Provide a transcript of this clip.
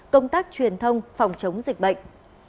công tác truyền thông phòng chống dịch bệnh